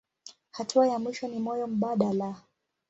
Hatua ya mwisho ni moyo mbadala.